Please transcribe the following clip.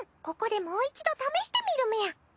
ここでもう一度試してみるみゃ。